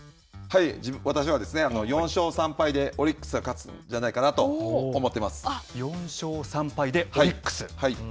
私はですね、４勝３敗で、オリックスが勝つんじゃないかなと思４勝３敗でオリックス。